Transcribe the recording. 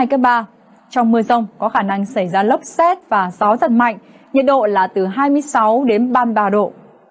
trong mưa rông có khả năng xảy ra lốc xét và gió giật mạnh nhiệt độ là từ hai mươi sáu đến ba mươi ba độ